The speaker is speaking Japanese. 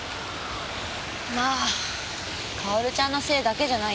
ま薫ちゃんのせいだけじゃないよ。